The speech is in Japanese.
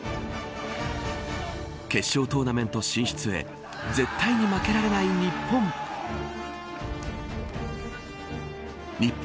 決勝トーナメント進出へ絶対に負けられない日本。